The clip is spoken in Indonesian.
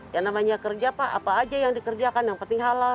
yang namanya kerja pak apa aja yang dikerjakan yang penting halal